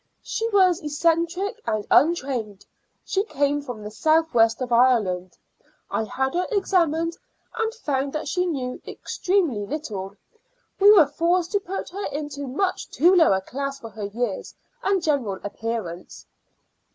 She was eccentric and untrained. She came from the south west of Ireland. I had her examined, and found that she knew extremely little. We were forced to put her into much too low a class for her years and general appearance."